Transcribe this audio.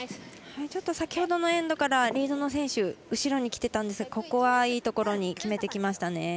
先ほどのエンドからリードの選手後ろに来ていたんですがここはいいところに決めてきましたね。